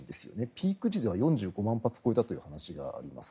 ピーク時では４５万発を超えたという話があります。